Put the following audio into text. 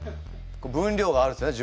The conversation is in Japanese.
分量があるんですね